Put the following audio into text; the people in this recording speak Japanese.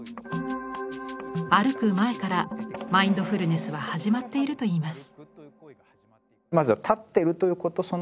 前からマインドフルネスははじまっているといいます。